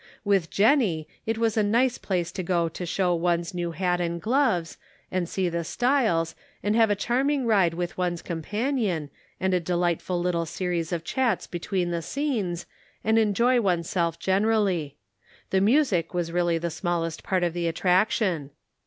With Jennie, it was a nice place to go to show one's new hat and gloves, and see the styles, and have a charming ride with one's companion, and a delightful little series of chats between the scenes, and enjoy oneself^ generally. The music was really the smallest part of the attraction.